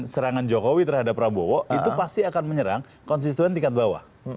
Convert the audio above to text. serangan jokowi terhadap prabowo itu pasti akan menyerang konstituen tingkat bawah